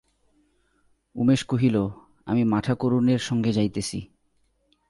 উমেশ কহিল, আমি মাঠাকরুনের সঙ্গে যাইতেছি।